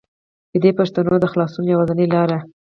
چې دې پښتنو د خلاصونو يوازينۍ لاره